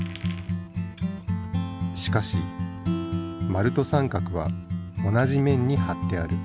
しかし丸と三角は同じ面にはってある。